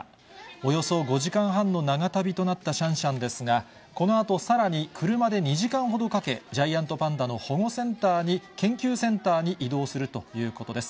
およそ５時間半の長旅となったシャンシャンですが、このあとさらに車で２時間ほどかけ、ジャイアントパンダの保護センターに、研究センターに移動するということです。